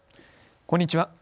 こんにちは。